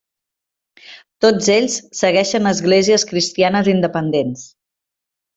Tots ells segueixen esglésies cristianes independents.